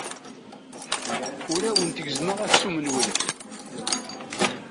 Ur awent-gezzmeɣ aksum-nwent.